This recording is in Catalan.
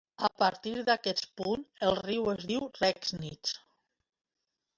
A partir d'aquest punt el riu es diu Regnitz.